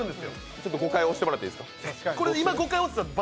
ちょっと５回、押してもらってもいいですか。